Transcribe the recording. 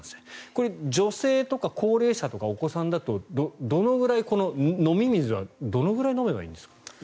これ、女性とか高齢者とかお子さんだと、この飲み水はどのぐらい飲めばいいんですか？